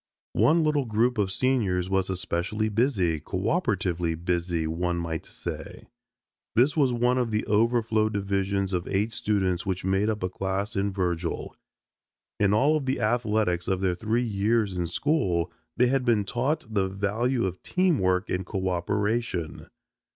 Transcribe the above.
One little group of seniors was especially busy, cooperatively busy one might say. This was one of the overflow divisions of eight students which made up a class in Virgil. In all of the athletics of their three years in school they had been taught the value of team work and coöperation.